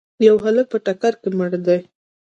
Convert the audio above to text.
یو هلک په ټکر کي مړ دی.